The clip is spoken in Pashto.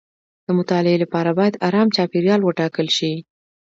د مطالعې لپاره باید ارام چاپیریال وټاکل شي.